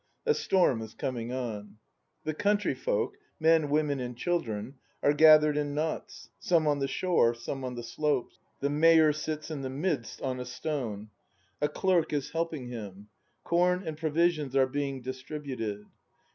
A storm, is coming on. The country folk, — men, women, and children, — are gath ered in knots, some on the shore, some on the slopes. The Mayor sits in the midst, on a stone; a Clerk is helping him; corn and provisions are being dis tributed.